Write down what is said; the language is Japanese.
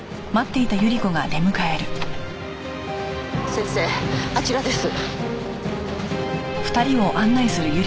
先生あちらです。